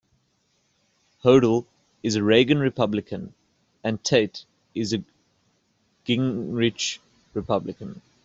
Hodel is a Reagan Republican and Tate is a Gingrich Republican.